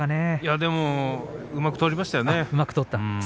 でもうまく取りましたよね。